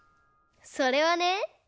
それはね